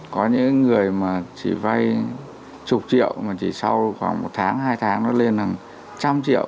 có những người mà chỉ vay chục triệu mà chỉ sau khoảng một tháng hai tháng nó lên hàng trăm triệu